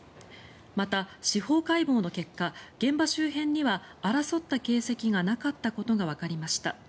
また、司法解剖の結果現場周辺には争った形跡がなかったことがわかりました。